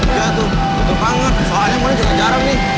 iya tuh betul banget soalnya murni juga jarang nih